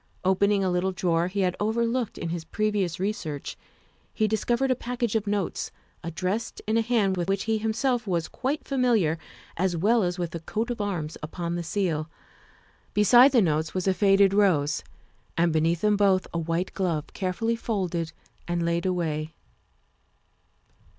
Opening a little drawer he had overlooked in his previous re search, he discovered a package of notes, addressed in a hand with which he himself was quite familiar as well as with the coat of arms upon the seal; beside the notes was a faded rose and beneath them both a white glove, carefully folded and laid away.